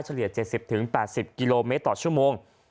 เลีย๗๐๘๐กิโลเมตรต่อชั่วโมง